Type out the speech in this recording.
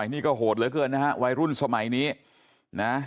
นี่ก็โหดเลยเธอนะฮะวายรุ่นสมัยนี้นะฮะ